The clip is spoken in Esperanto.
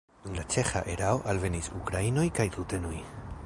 Dum la ĉeĥa erao alvenis ukrainoj kaj rutenoj.